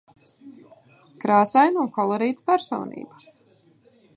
Krāsaina un kolorīta personība.